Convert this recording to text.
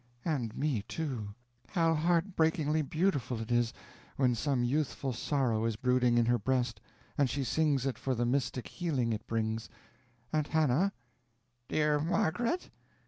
"And me, too. How heartbreakingly beautiful it is when some youthful sorrow is brooding in her breast and she sings it for the mystic healing it brings.... Aunt Hannah?" "Dear Margaret?"